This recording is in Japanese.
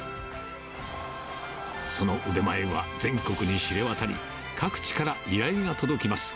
その腕前は全国に知れ渡り、各地から依頼が届きます。